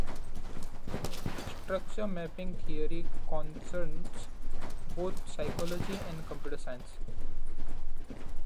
Structure mapping theory concerns both psychology and computer science.